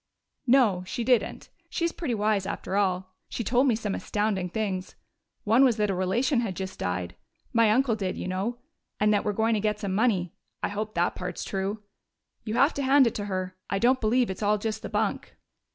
"No, she didn't. She's pretty wise, after all. She told me some astounding things. One was that a relation had just died my uncle did, you know and that we're going to get some money.... I hope that part's true.... You have to hand it to her. I don't believe it's all just the bunk."